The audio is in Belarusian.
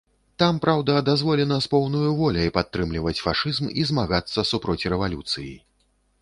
Там, праўда, дазволена з поўнаю воляй падтрымліваць фашызм і змагацца супроць рэвалюцыі.